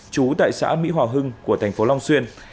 chú tại xã mỹ hòa hưng thành phố long xuyên